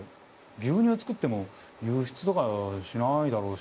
牛乳作っても輸出とかしないだろうし。